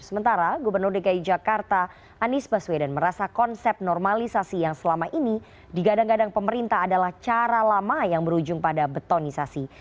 sementara gubernur dki jakarta anies baswedan merasa konsep normalisasi yang selama ini digadang gadang pemerintah adalah cara lama yang berujung pada betonisasi